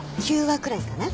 ９話くらいかな。